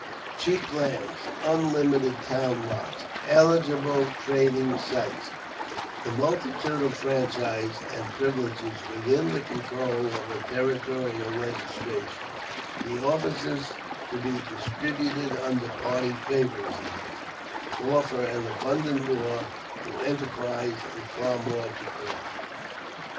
Cheap lands, unlimited town lots, eligible trading sites, the multitude of franchises and privileges within the control of a territorial legislature, the offices to be distributed under party favoritism, offer an abundant lure to enterprise and far more to craft.